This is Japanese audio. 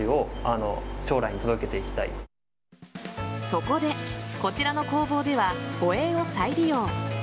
そこで、こちらの工房ではホエーを再利用。